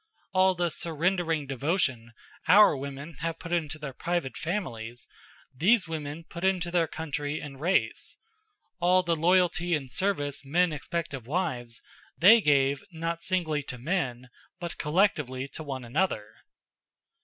All the surrendering devotion our women have put into their private families, these women put into their country and race. All the loyalty and service men expect of wives, they gave, not singly to men, but collectively to one another.